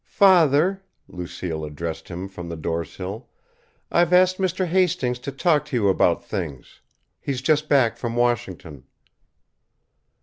"Father," Lucille addressed him from the door sill, "I've asked Mr. Hastings to talk to you about things. He's just back from Washington."